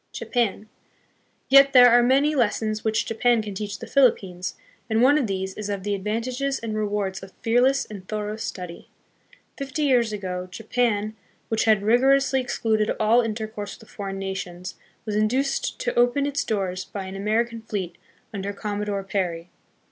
Japan. Yet there are many lessons which Japan can teach the Philippines, and one of these is of the advantages and rewards of fearless and thorough study. Fifty years ago, Japan, which had rigorously excluded all intercourse with foreign nations, was induced to open its doors by an American fleet under Commodore Perry.